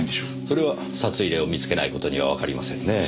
それは札入れを見つけないことにはわかりませんねぇ。